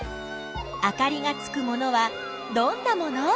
あかりがつくものはどんなもの？